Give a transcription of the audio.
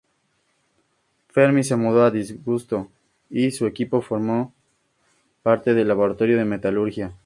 Fermi se mudó a disgusto y su equipo formó parte del Laboratorio de Metalurgia.